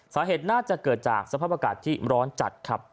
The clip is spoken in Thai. สาเหตุน่าจะเกิดจากสภาพอากาศที่ร้อนจัดครับ